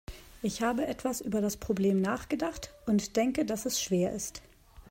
Ich habe etwas über das Problem nachgedacht und denke, dass es schwer ist.